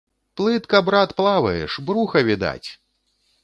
Плытка, брат, плаваеш, бруха відаць!